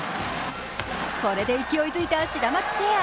これで勢いづいたシダマツペア。